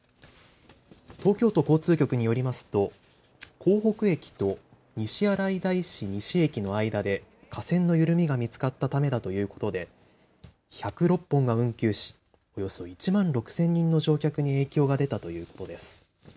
東京都交通局によりますと江北駅と西新井大師西駅の間で架線の緩みが見つかったためだということで１０６本が運休しおよそ１万６０００人の乗客に影響が出たということです。